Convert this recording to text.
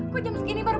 kok jam segini baru